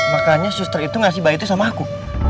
makanya suster itu ngasih bayi itu sama aku